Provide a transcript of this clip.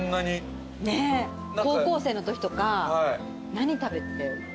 高校生のときとか何食べて。